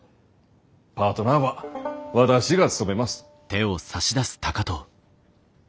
パートナーは私が務めます。